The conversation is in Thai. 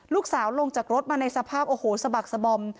ลูกสาวลงจากรถมาในสภาพโอ้โหสะบักสบอม